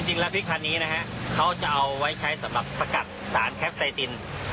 จริงแล้วพริกพันนี้นะฮะเขาจะเอาไว้ใช้สำหรับสกัดสารแคปไซติน